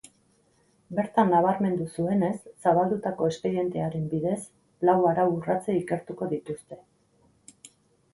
Bertan nabarmendu zuenez, zabaldutako espedientearen bidez, lau arau-urratze ikertuko dituzte.